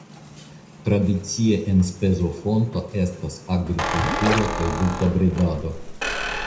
Tradicia enspezofonto estas agrikulturo kaj brutobredado.